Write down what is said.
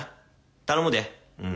頼むで。